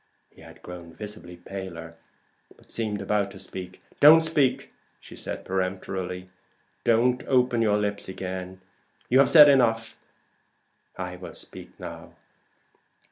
He had grown visibly paler, but seemed about to speak. "Don't speak!" Mrs. Transome said peremptorily. "Don't open your lips again. You have said enough; I will speak now.